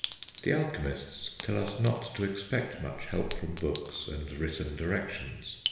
The alchemists tell us not to expect much help from books and written directions.